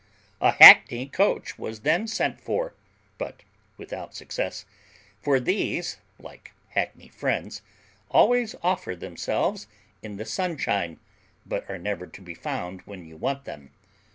A hackney coach was then sent for, but without success; for these, like hackney friends, always offer themselves in the sunshine, but are never to be found when you want them.